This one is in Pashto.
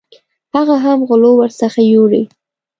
هغه هم غلو ورڅخه یوړې.